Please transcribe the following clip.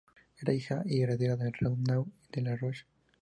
Era la hija y heredera de Renaud de la Roche.